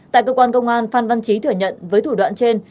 tại cơ quan công an phan văn trí thừa nhận với thủ đoạn trên